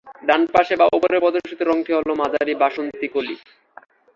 ডানপাশে বা উপরে প্রদর্শিত রঙটি হলো মাঝারি বাসন্তী কলি।